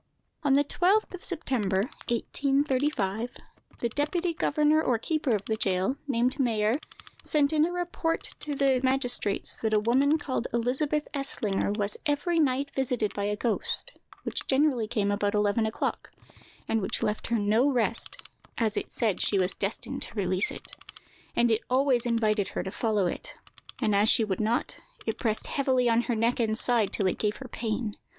On the 12th September, 1835, the deputy governor or keeper of the jail, named Mayer, sent in a report to the magistrates that a woman called Elizabeth Eslinger was every night visited by a ghost, which generally came about eleven o'clock, and which left her no rest, as it said she was destined to release it, and it always invited her to follow it; and as she would not, it pressed heavily on her neck and side till it gave her pain.